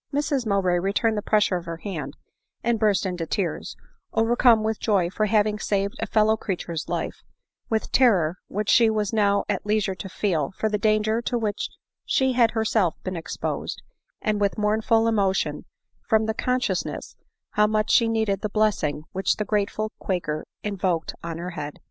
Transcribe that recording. . Mrs Mowbray returned the pressure of her hand, and burst into tears ; overcome with joy for having saved a fellow creature's life ; with terror, which she was now at leisure to feel for the danger to which she had her self been exposed ; and with mournful emotion from the consciousness how much she needed the blessing which the grateful quaker invoked on her head.